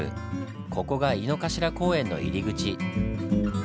ここが井の頭公園の入り口。